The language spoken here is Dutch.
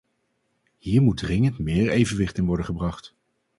Hier moet dringend meer evenwicht in worden gebracht.